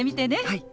はい！